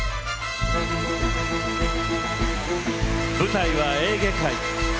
舞台はエーゲ海。